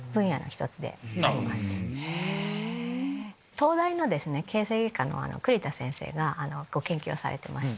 東大の形成外科の栗田先生がご研究をされてまして。